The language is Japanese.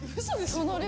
そうですよ。